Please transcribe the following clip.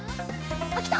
あっきた！